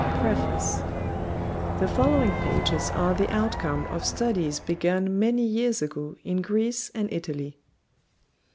PREFACE The following pages are the outcome of studies begun many years ago in Greece and Italy.